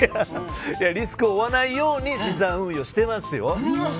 リスクを負わないように資産運用していますよ。